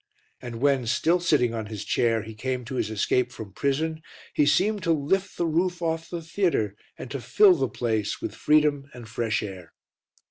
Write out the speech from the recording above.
And when, still sitting on his chair, he came to his escape from prison, he seemed to lift the roof off the theatre and to fill the place with freedom and fresh air.